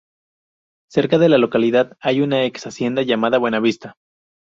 Cerca de la localidad hay una ex-hacienda llamada Buenavista.